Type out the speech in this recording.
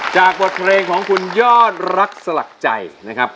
บทเพลงของคุณยอดรักสลักใจนะครับ